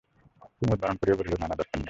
কুমুদ বারণ করিয়া বলিল, না না, দরকার নেই।